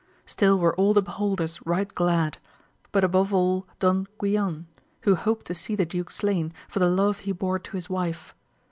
Still were all the beholders right glad ; but above all Don Guilan, who hoped to see the duke slain, for the love he bore to his wife.